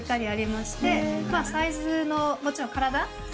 サイズのもちろん。